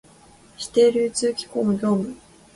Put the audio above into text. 指定流通機構の業務